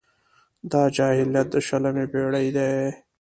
دا جاهلیت د شلمې پېړۍ دی.